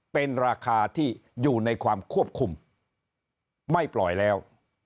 เป็นราคาที่อยู่ในความควบคุมไม่ปล่อยแล้ว